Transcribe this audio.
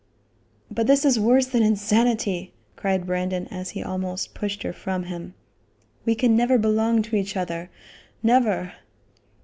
"But this is worse than insanity," cried Brandon, as he almost pushed her from him. "We can never belong to each other; never."